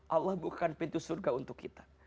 allah bukan pintu surga untuk kita